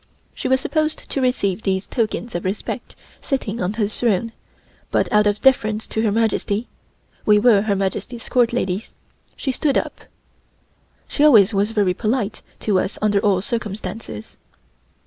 She was supposed to receive these tokens of respect sitting on her throne, but out of deference to Her Majesty (we were Her Majesty's Court ladies) she stood up. She always was very polite to us under all circumstances.